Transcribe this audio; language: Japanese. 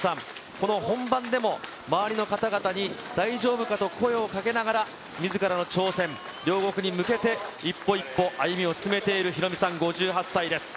この本番でも周りの方々に大丈夫かと声をかけながら、みずからの挑戦、両国に向けて一歩一歩歩みを進めているヒロミさん、５８歳です。